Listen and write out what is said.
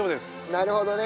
なるほどね。